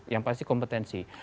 yang pasti kompetensi